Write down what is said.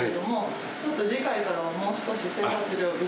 ちょっと次回からはもう少し。